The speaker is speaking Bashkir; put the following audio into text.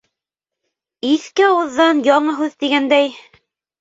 Иҫке ауыҙҙан яңы һүҙ, тигәндәй...